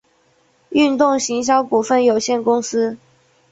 运动行销股份有限公司